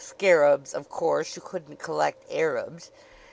Scarabs, of course. You couldn't collect Arabs.